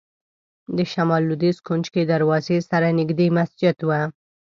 د شمال لوېدیځ کونج کې دروازې سره نږدې مسجد و.